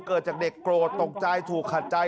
เกิดจากเด็กโกรธตกใจถูกขัดใจ